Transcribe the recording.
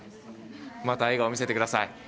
また笑顔、見せてください。